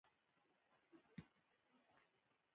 صداقت د ژبې زینت دی.